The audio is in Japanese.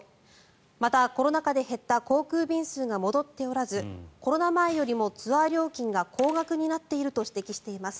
また、コロナ禍で減った航空便数が戻っておらずコロナ前よりもツアー料金が高額になっていると指摘しています。